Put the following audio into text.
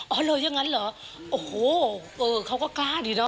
เอาเลยอย่างนั้นเหรอโอ้โหเขาก็กล้าดีเนอะ